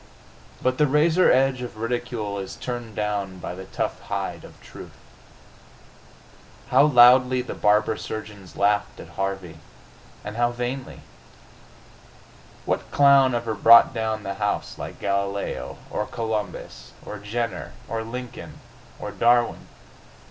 But the razor edge of ridicule is turned by the tough hide of truth. How loudly the barber surgeons laughed at Harvey and how vainly! What clown ever brought down the house like Galileo? Or Columbus? Or Jenner? Or Lincoln? Or Darwin?...